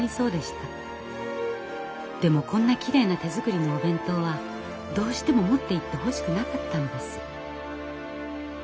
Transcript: でもこんなきれいな手作りのお弁当はどうしても持っていってほしくなかったのです。